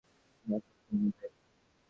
না, শক্ত নয় ভাই।